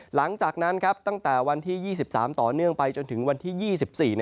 หลังจากนั้นตั้งแต่วันที่๒๓ต่อเนื่องไปจนถึงวันที่๒๔